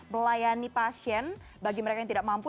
melayani pasien bagi mereka yang tidak mampu